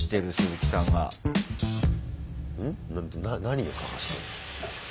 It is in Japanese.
何を探してんの？